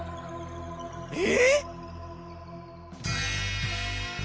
え？